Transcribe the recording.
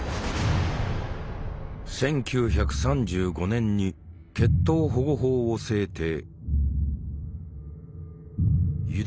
１９３５年に「血統保護法」を制定。